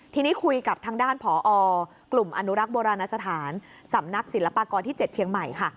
ทีนี้คุยกับทางด้านผอกลุ่มอนุรักษ์โบราณสถานสำนักศิลปากรที่๗เชียงใหม่ค่ะ